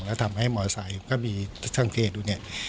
แล้วทำให้มอไซค์ก็มีสังเกตดูเนี่ย